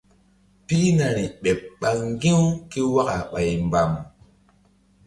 Pihnari ɓeɓ ɓah ŋgi̧-u ké waka ɓay mbam.